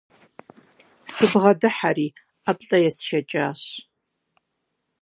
Сыбгъэдыхьэри, ӀэплӀэ есшэкӀащ.